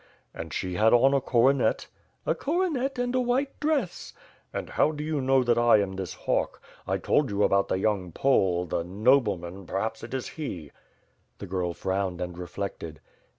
"And she had on a coronet?" "A coronet and a white dress.'' And how do you know that I am this hawk? I told you about the young Pole, the nobleman, perhaps it is he?" The girl frowned and reflected.